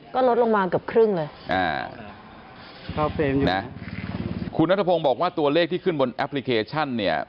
ก็ลดลงมากับครึ่งเลยคุณนัทพงศ์บอกว่าตัวเลขที่ขึ้นบนแอปพลิเคชันเนี่ย